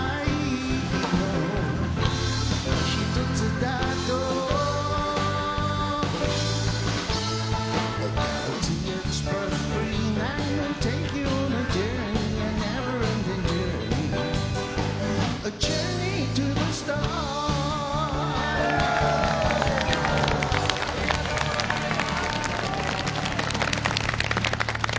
伊達：ありがとうございます！